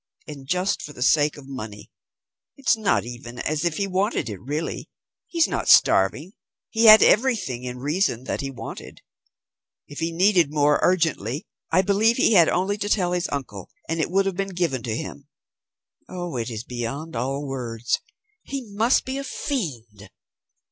And just for the sake of money! It's not even as if he wanted it really. He's not starving. He had everything, in reason, that he wanted. If he needed more, urgently, I believe he had only to tell his uncle, and it would have been given to him. Oh, it is beyond all words! He must be a fiend."